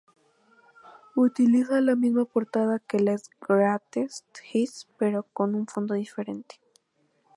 Utiliza la misma portada que Les Greatest Hits, pero con un fondo diferente.